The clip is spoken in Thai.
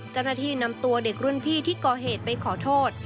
เจ้าหน้าที่นำตัวเด็กรุ่นพี่ที่ก่อเหตุไปขอโทษ